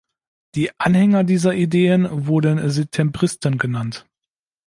Die Anhänger dieser Ideen wurden Setembristen genannt.